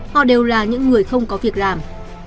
họ đều là những người không có việc làm